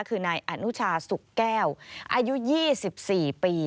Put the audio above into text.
คือนายอนุชาสุกแก้วอายุ๒๔ปี